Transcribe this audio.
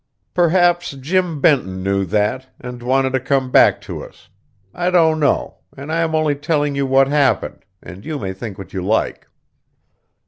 Perhaps Jim Benton knew that, and wanted to come back to us. I don't know, and I am only telling you what happened, and you may think what you like.